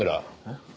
えっ？